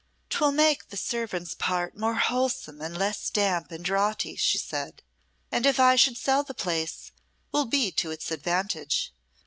"'Twill make the servants' part more wholesome and less damp and draughty," she said; "and if I should sell the place, will be to its advantage.